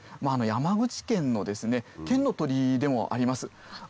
山口県の県の鳥でもあります。